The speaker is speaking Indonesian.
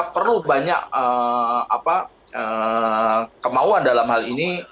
perlu banyak kemauan dalam hal ini